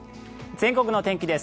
全国の天気です。